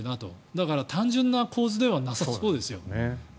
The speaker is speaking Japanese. だから、単純な構図ではなさそうです。